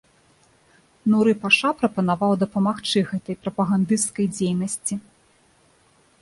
Нуры-паша прапанаваў дапамагчы гэтай прапагандысцкай дзейнасці.